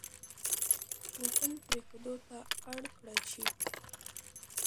وطـن پـرېښـودو تـه اړ کـړل شـي.